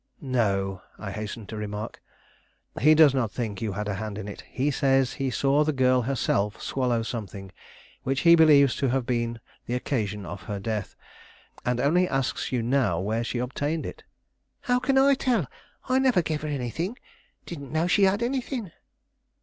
"No," I hastened to remark, "he does not think you had a hand in it. He says he saw the girl herself swallow something which he believes to have been the occasion of her death, and only asks you now where she obtained it." "How can I tell? I never gave her anything; didn't know she had anything."